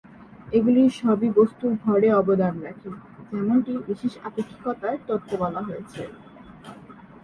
এগুলির সবই বস্তুর ভরে অবদান রাখে, যেমনটি বিশেষ আপেক্ষিকতার তত্ত্বে বলা হয়েছে।